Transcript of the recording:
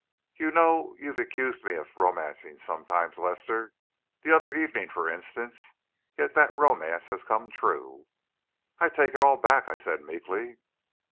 "You know you've accused me of romancing sometimes, Lester the other evening, for instance; yet that romance has come true." "I take it all back," I said, meekly.